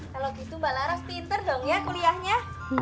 kalau gitu mbak laras piter dong ya kuliahnya